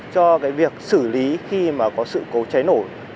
cho cái việc xử lý khi mà có sự cố cháy nổ